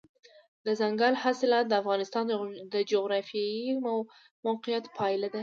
دځنګل حاصلات د افغانستان د جغرافیایي موقیعت پایله ده.